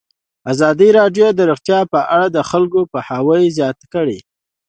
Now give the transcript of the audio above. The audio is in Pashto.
ازادي راډیو د روغتیا په اړه د خلکو پوهاوی زیات کړی.